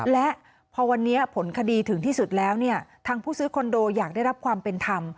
และพอวันนี้ผลคดีถึงที่สุดแล้วเนี่ยทางผู้ซื้อคอนโดย่าได้รับความเป็นธรรม